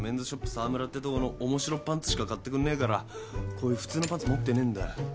沢村ってとこの面白パンツしか買ってくんねえからこういう普通のパンツ持ってねえんだよ。